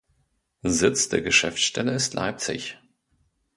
Sitz der Geschäftsstelle ist Leipzig.